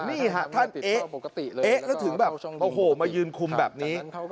นี่ฮะท่านเอ๊ะเอ๊ะแล้วถึงแบบโอ้โหมายืนคุมแบบนี้